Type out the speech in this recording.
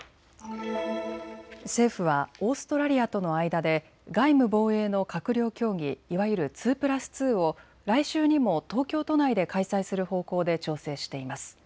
政府はオーストラリアとの間で外務・防衛の閣僚協議、いわゆる２プラス２を来週にも東京都内で開催する方向で調整しています。